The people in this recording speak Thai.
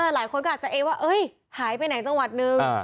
หลายคนก็อาจจะเอ๊ะว่าหายไปไหนจังหวัดนึง